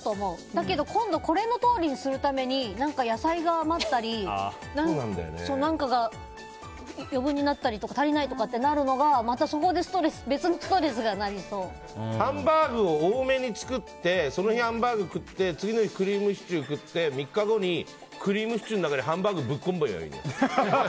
だけど今度これのとおりにするために野菜が余ったり何かが余分になったり足りないってなるのがまたそこでハンバーグを多めに作ってその日ハンバーグ食って次の日クリームシチュー食って３日後にクリームシチューの中にハンバーグぶっこめばいいよ。